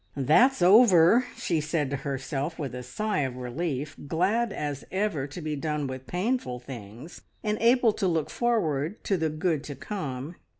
"That's over!" she said to herself with a sigh of relief, glad as ever, to be done with painful things and able to look forward to the good to come.